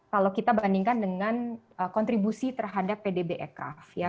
kalau kita bandingkan dengan kontribusi terhadap pdb ecraft